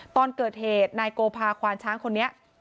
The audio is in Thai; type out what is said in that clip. ตอนเกิดเหตุนายโกภาควานช้างคนนี้